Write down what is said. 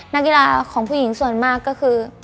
นักกีฬาของผู้หญิงส่วนมากก็คือ